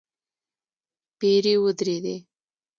پيرې ودرېدې.